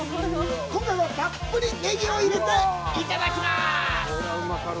今回は、たっぷりネギを入れていただきます。